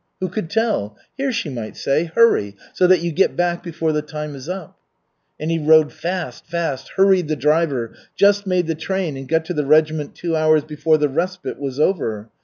Who could tell? "Here," she might say, "hurry, so that you get back before the time is up." And he rode fast, fast hurried the driver, just made the train and got to the regiment two hours before the respite was over.